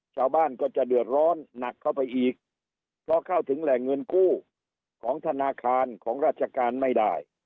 ชาวบ้านก็จะเดือดร้อนหนักเข้าไปอีกเพราะเข้าถึงแหล่งเงินกู้ของธนาคารของราชการไม่ได้